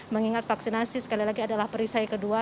mengingat vaksinasi sekali lagi adalah perisai kedua